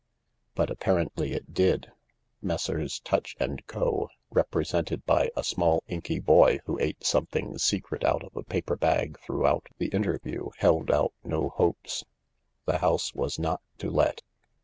But apparently it did. Messrs. Tutch and Co ^represented by a small inky boy who ate something secret out of a paper bag throughout the interview, held out no hopes. The house was not to let.